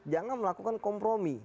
jangan melakukan kompromi